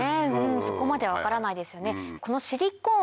そこまでは分からないですよね。